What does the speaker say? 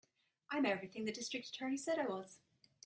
I'm everything the District Attorney said I was.